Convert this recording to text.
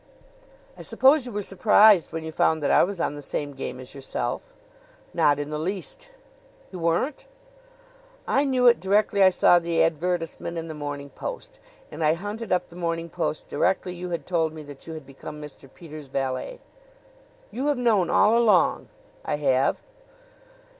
"I suppose you were surprised when you found that I was on the same game as yourself." "Not in the least." "You weren't!" "I knew it directly I saw the advertisement in the Morning Post. And I hunted up the Morning Post directly you had told me that you had become Mr. Peters' valet." "You have known all along!" "I have."